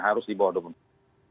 harus di bawah dua menit